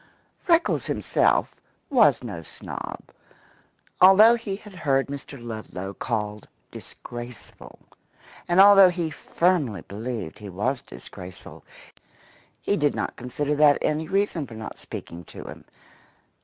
Freckles himself was no snob. Although he had heard Mr. Ludlow called disgraceful, and although he firmly believed he was disgraceful, he did not consider that any reason for not speaking to him.